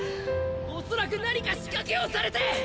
恐らくなにか仕掛けをされて！